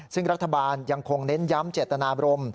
ซึ่งรัฐบาลยังคงเน้นย้ำเจตนาบรม